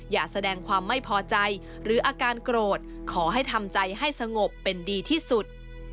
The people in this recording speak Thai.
อย่าแสดงความไม่พอใจหรืออาการโกรธขอให้ทำใจให้สงบเป็นดีที่สุด